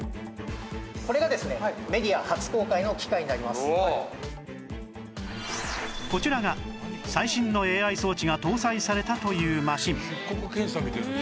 これがですねこちらが最新の ＡＩ 装置が搭載されたというマシン